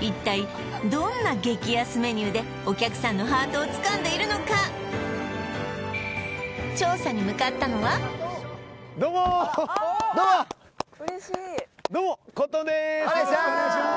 一体どんな激安メニューでお客さんのハートをつかんでいるのかどうもどうもお願いします